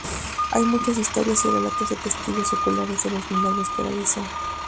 Hay muchas historias y relatos de testigos oculares de los milagros que realizó.